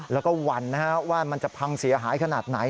แล้วก็หวั่นว่ามันจะพังเสียหายขนาดไหน